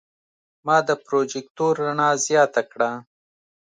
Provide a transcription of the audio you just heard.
ما د پروجیکتور رڼا زیاته کړه.